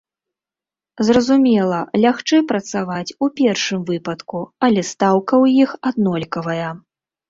Зразумела, лягчэй працаваць у першым выпадку, але стаўка ў іх аднолькавая.